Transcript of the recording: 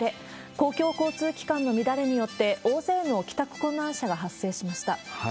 公共交通機関の乱れによって、大勢の帰宅困難者が発生しました。